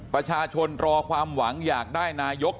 ประชาชนรอความหวังอยากได้นายก